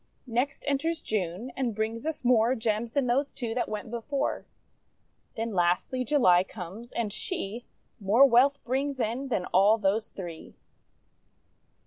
Next enters June, and brings us more Gems than those two that went before. Then, lastly, July comes, and she More wealth brings in than all those three.